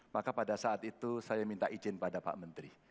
maka pada saat itu saya minta izin pada pak menteri